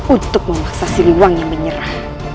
untuk memaksa si luang yang menyerah